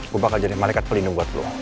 gua bakal jadi malikat pelindung buat lu